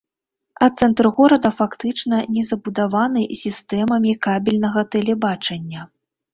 А цэнтр горада фактычна не забудаваны сістэмамі кабельнага тэлебачання.